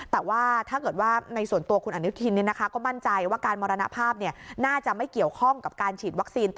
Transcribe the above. แต่ว่าถ้าเกิดว่าในส่วนตัวคุณอนุทินก็มั่นใจว่าการมรณภาพน่าจะไม่เกี่ยวข้องกับการฉีดวัคซีน